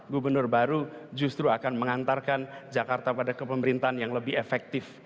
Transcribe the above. gubernur baru justru akan mengantarkan jakarta pada kepemerintahan yang lebih efektif